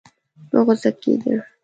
مه غوسه کېږه.